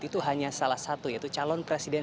itu hanya salah satu yaitu calon presiden